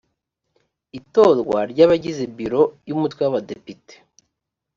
itorwa ry abagize biro y umutwe w abadepite